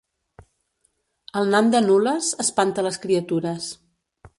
El nan de Nulles espanta les criatures